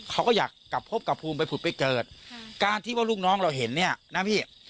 เขาก็อยากกลับพบกับภูมิไปผุดไปเกิดการที่ว่าลูกน้องเราเห็นเนี่ยนะพี่